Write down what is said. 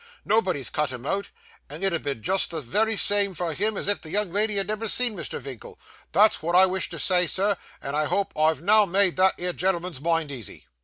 Nobody's cut him out, and it 'ud ha' been jist the wery same for him if the young lady had never seen Mr. Vinkle. That's what I wished to say, sir, and I hope I've now made that 'ere gen'l'm'n's mind easy.